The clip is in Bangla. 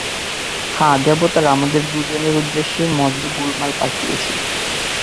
হ্যাঁ, দেবতারা আমাদের দুজনের উদ্দেশ্যের মধ্যে গোলমাল পাকিয়েছে।